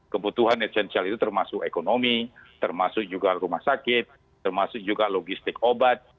kebutuhan esensial itu termasuk ekonomi termasuk juga rumah sakit termasuk juga logistik obat